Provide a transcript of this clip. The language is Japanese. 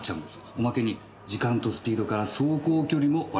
おまけに時間とスピードから走行距離も割り出せるんですけど。